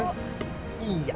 berapa roku menu internetnya